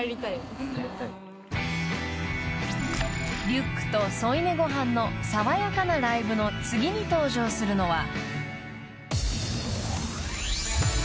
［リュックと添い寝ごはんの爽やかなライブの次に登場するのは］